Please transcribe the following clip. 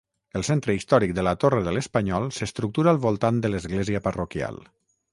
El centre històric de la Torre de l'Espanyol s'estructura al voltant de l'església parroquial.